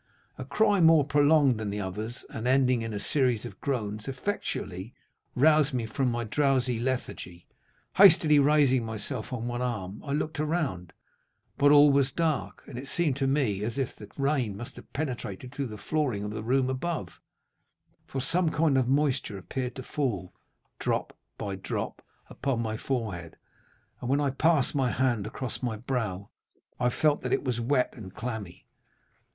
A cry more prolonged than the others and ending in a series of groans effectually roused me from my drowsy lethargy. Hastily raising myself on one arm, I looked around, but all was dark; and it seemed to me as if the rain must have penetrated through the flooring of the room above, for some kind of moisture appeared to fall, drop by drop, upon my forehead, and when I passed my hand across my brow, I felt that it was wet and clammy.